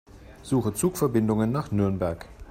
Suche Zugverbindungen nach Nürnberg.